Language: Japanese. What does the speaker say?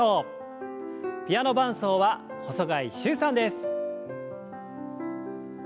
ピアノ伴奏は細貝柊さんです。